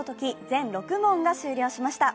全６問が終了しました。